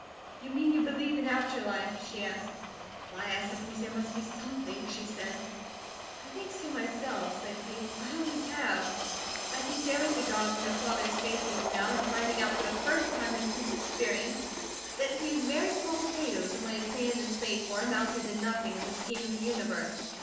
"You mean you believe in after life?" she asked. "Why, I suppose there must be SOMETHING," she said. "I think so myself," said Kate. "I always have. I think there is a God, and that Father is facing Him now, and finding out for the first time in his experience that he is very small potatoes, and what he planned and slaved for amounted to nothing, in the scheme of the universe.